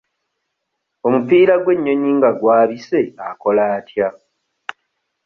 Omupiira gw'ennyonyi nga gwabise akola atya?